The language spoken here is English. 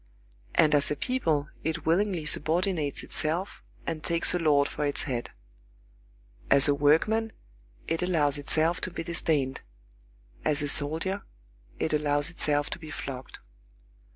And as a people, it willingly subordinates itself and takes a lord for its head. As a workman, it allows itself to be disdained; as a soldier, it allows itself to be flogged.